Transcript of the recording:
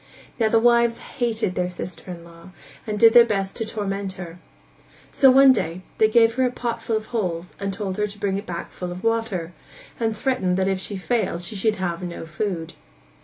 Now the wives hated their sister in law and did their best to torment her. So one day they gave her a pot full of holes and told her to bring it back full of water; and threatened that if she failed she should have no food.